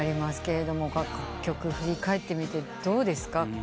楽曲振り返ってみてどうですか？